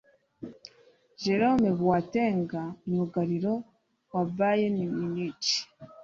Jerome Boateng myugariro wa Bayern Munich